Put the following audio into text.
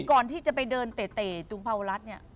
ก่อนที่จะไปเดินเตะตุงภาวรัฐเนี่ย